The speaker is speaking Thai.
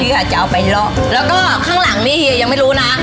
ค่ะจะเอาไปเลาะแล้วก็ข้างหลังนี่เฮียยังไม่รู้นะ